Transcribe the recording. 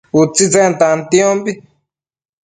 utsitsen tantiombi